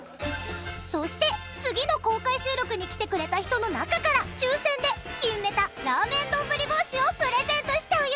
そして次の公開収録に来てくれた人の中から抽選で『金メタ』ラーメンどんぶり帽子をプレゼントしちゃうよ！